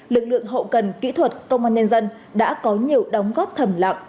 lực lượng hậu cần kỹ thuật công an nhân dân đã có nhiều đóng góp thầm lặng